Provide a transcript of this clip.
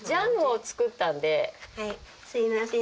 すみません。